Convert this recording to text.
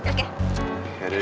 ya udah yuk